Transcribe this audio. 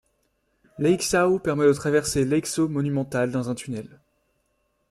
L'Eixāo permet de traverser l'Eixo monumental dans un tunnel.